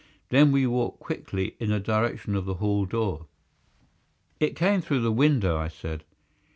Then we walked quickly in the direction of the hall door. "It came through the window," I said.